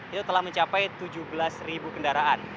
itu telah mencapai tujuh belas ribu kendaraan